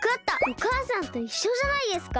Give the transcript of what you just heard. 「おかあさんといっしょ」じゃないですか？